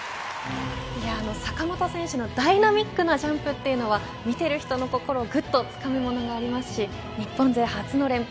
坂本選手のダイナミックなジャンプというのは見ている人の心をぐっとつかむものがありますし日本勢初の連覇